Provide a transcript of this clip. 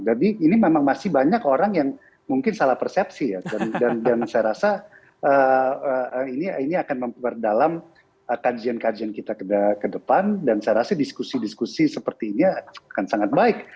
jadi ini memang masih banyak orang yang mungkin salah persepsi ya dan saya rasa ini akan berdalam kajian kajian kita ke depan dan saya rasa diskusi diskusi seperti ini akan sangat baik